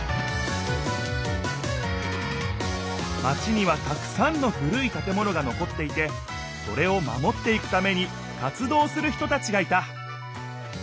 マチにはたくさんの古い建物が残っていてそれを守っていくために活動する人たちがいた。